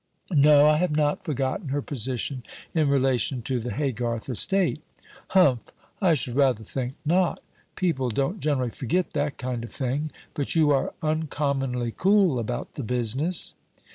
"No, I have not forgotten her position in relation to the Haygarth estate." "Humph! I should rather think not. People don't generally forget that kind of thing. But you are uncommonly cool about the business."